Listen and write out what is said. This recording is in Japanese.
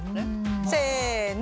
せの！